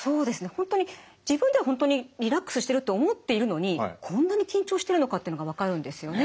本当に自分では本当にリラックスしてると思っているのにこんなに緊張してるのかっていうのが分かるんですよね。